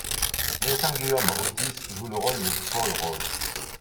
Vincent-Guillaume Otis joue le rôle de Paul Rose.